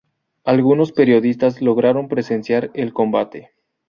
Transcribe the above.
Algunos periodistas lograron presenciar el combate.